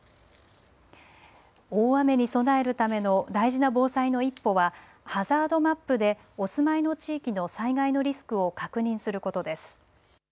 大雨に備えるための大事な防災の一歩はハザードマップでお住まいの地域の災害のリスクを確認することです。